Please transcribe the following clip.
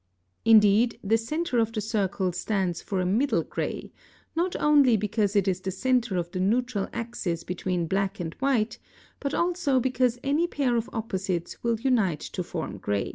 Indeed, the centre of the circle stands for a middle gray, not only because it is the centre of the neutral axis between black and white, but also because any pair of opposites will unite to form gray.